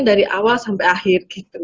dari awal sampai akhir